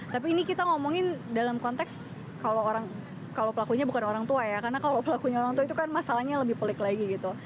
tapi ini kita ngomongin dalam konteks kalau orang kalau pelakunya bukan orang tua ya karena kalau pelakunya orang tua itu kan masalahnya lebih pelik lagi gitu